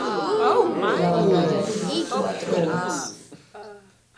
La batalla duró cuatro horas.